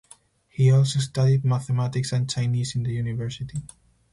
He also studied mathematics and Chinese in the university.